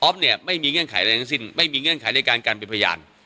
อฟเนี่ยไม่มีเงื่อนไขอะไรไม่มีเงื่อนไขในเรื่องการไปบริยาน